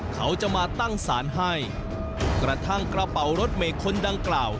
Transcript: เขาจะมาตั้งสารให้กระทั่งกระเป๋ารถเมฆคนดังกล่าว